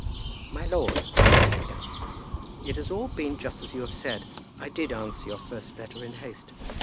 "My lord," he began, "it has all been just as you have said. I did answer your first letter in haste."